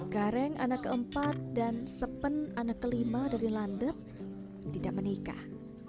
gareng anak keempat dan sepen anak kelima dari landep tidak menikah